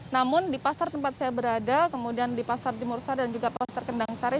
namun di pasar tempat saya berada kemudian di pasar jemur sar dan juga pasar kendang sari